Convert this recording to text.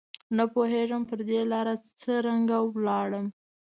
نه پوهېږم پر دې لاره څرنګه ولاړم